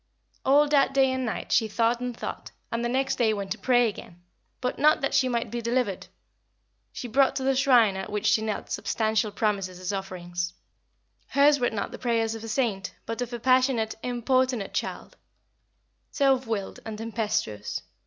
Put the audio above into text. All that day and night she thought and thought, and the next day went to pray again but not that she might be delivered. She brought to the shrine at which she knelt substantial promises as offerings. Hers were not the prayers of a saint, but of a passionate, importunate child, self willed and tempestuous.